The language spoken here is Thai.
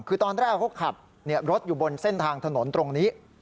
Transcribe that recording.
คือตอนแรกเขาขับรถอยู่บนเส้นทางถนนตรงนี้